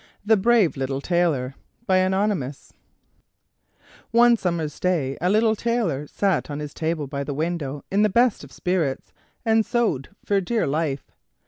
THE BRAVE LITTLE TAILOR Anonymous One summer's day a little Tailor sat on his table by the window in the best of spirits and sewed for dear life.